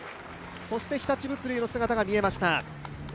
日立物流の姿が見えました。